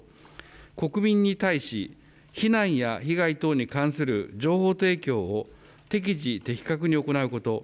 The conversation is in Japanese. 国民に対し避難や被害等に関する情報提供を適時、的確に行うこと。